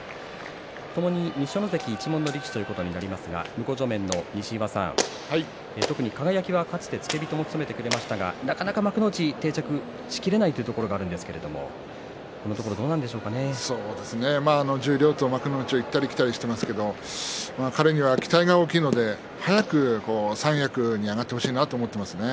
ともに二所ノ関一門の力士となりますが向正面の西岩さん輝はかつて付け人も務めてくれましたがなかなか幕内に定着しきれないところがあるんですが十両と幕内を行ったり来たりしていますけれど彼には期待が大きいので早く三役に上がってほしいなと思っていますね。